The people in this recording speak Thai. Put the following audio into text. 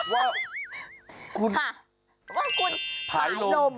ว่าคุณผ่ายลม